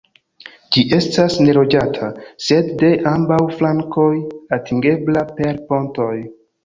Ĝi estas neloĝata, sed de ambaŭ flankoj atingebla per pontoj.